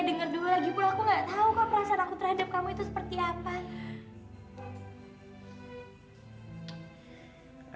satria denger dulu lagipul aku gak tau kok perasaan aku terhadap itu seperti apa